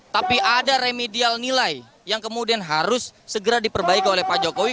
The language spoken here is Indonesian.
tapi ada remedial nilai yang kemudian harus segera diperbaiki oleh pak jokowi